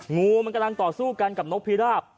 งูมันกำลังต่อสู้กันกับนกพิราบ